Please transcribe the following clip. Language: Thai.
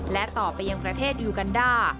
และต่อไปยังประเทศยูกันด้า